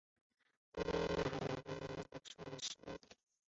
学院拥有海洋工程国家重点实验室。